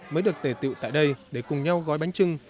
mới được tề tiệu tại đây để cùng nhau gói bánh trưng